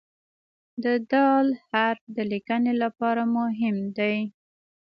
د "د" حرف د لیکنې لپاره مهم دی.